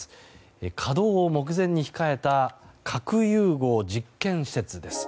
稼働を目前に控えた核融合実験施設です。